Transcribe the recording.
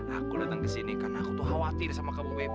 aku datang ke sini karena aku tuh khawatir sama kamu bebe